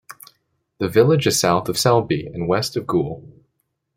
The village is south of Selby and west of Goole.